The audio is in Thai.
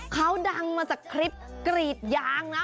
เขาดังมาจากคลิปกรีดยางนะ